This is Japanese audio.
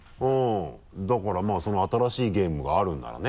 だからまぁその新しいゲームがあるんならね。